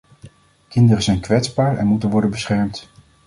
Kinderen zijn kwetsbaar en moeten worden beschermd.